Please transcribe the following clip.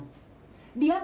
hai bukan kan